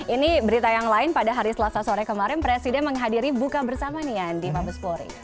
ini berita yang lain pada hari selasa sore kemarin presiden menghadiri buka bersama nih ya di mabespori